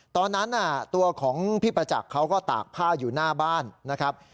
ตอนนั้นตัวของพี่ประจักษ์เขาก็ตากผ้าอยู่หน้าบ้านนะครับ